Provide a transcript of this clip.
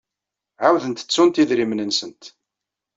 Ɛawdent ttunt idrimen-nsent.